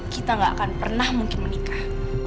kita gak akan pernah mungkin menikah